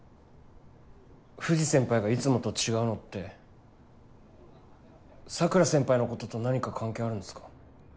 藤先輩がいつもと違うのって桜先輩のことと何か関係あるんですか？